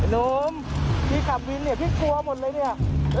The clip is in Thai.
โน้มพี่กลับวินเนี่ยพี่กลัวหมดเลยเนี่ย